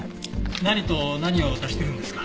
何と何を足してるんですか？